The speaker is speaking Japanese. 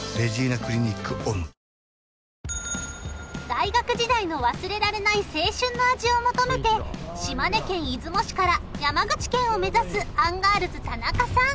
大学時代の忘れられない青春の味を求めて島根県出雲市から山口県を目指すアンガールズ田中さん